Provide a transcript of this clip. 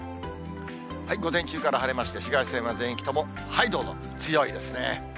午前中から晴れまして、紫外線は全域とも、はい、どうぞ、強いですね。